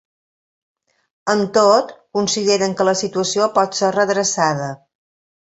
Amb tot, consideren que la situació pot ser redreçada.